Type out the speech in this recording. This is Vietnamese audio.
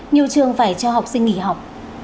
nhiều trường phải cho học sinh nghỉ học